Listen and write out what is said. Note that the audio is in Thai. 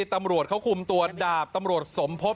ตำรวจเขาคุมตัวดาบตำรวจสมพบ